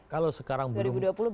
kalau sekarang belum